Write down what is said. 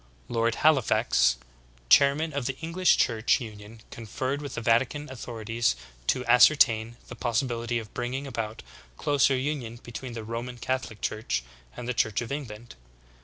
Lord Halifax, chairman of the English Church Union conferred with the Vatican authorities to ascertain the possibility of bringing about closer union between the Roman Catholic Church and the Church of England.